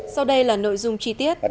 sau đây là nội dung chi tiết